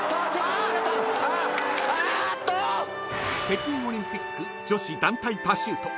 ［北京オリンピック女子団体パシュート］